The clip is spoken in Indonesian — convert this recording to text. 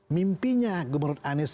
mimpinya menurut anies